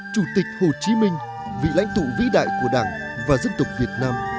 chủ tịch hồ chí minh vị lãnh tụ vĩ đại của đảng và dân tộc việt nam